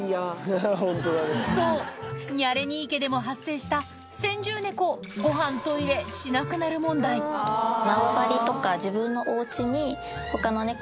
そうニャレ兄家でも発生した先住猫ご飯トイレしなくなる問題無理せずに。